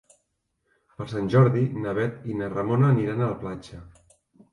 Per Sant Jordi na Bet i na Ramona aniran a la platja.